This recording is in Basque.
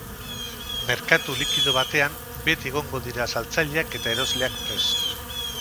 Merkatu likido batean beti egongo dira saltzaileak eta erosleak prest.